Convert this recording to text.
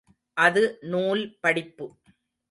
அது நூல் படிப்பு.